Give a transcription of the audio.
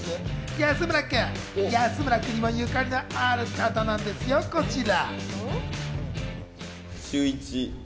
安村君にもゆかりのある方なんですよ、こちら。